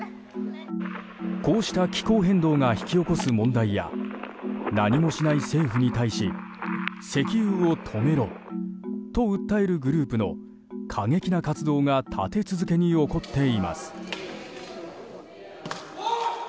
こうした気候変動が引き起こす問題や何もしない政府に対し石油を止めろと訴えるグループの過激な活動が立て続けに起こっています。